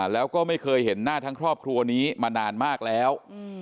แล้วก็ไม่เคยเห็นหน้าทั้งครอบครัวนี้มานานมากแล้ว